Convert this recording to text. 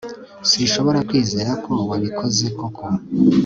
sinshobora kwizera ko wabikoze koko